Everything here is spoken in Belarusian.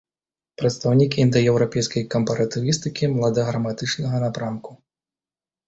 Прадстаўнік індаеўрапейскай кампаратывістыкі младаграматычнага напрамку.